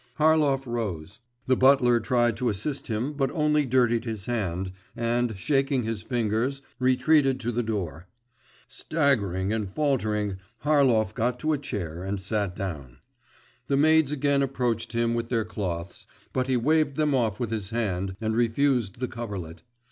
Harlov rose.… The butler tried to assist him but only dirtied his hand, and, shaking his fingers, retreated to the door. Staggering and faltering, Harlov got to a chair and sat down. The maids again approached him with their cloths, but he waved them off with his hand, and refused the coverlet.